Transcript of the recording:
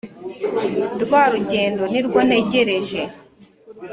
rwa rugendo ni rwo ntegereje